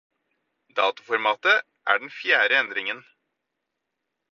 Datoformatet er den fjerde endringen.